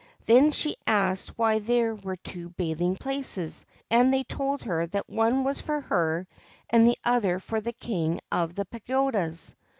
Then she asked why there were two bathing places, and they told her that one was for her and the other for the King of the Pagodas.